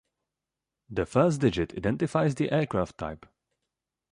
The first digit identifies the aircraft type.